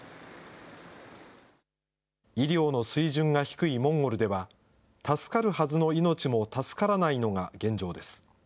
医療の水準が低いモンゴルでは、助かるはずの命も助からないのが現状です。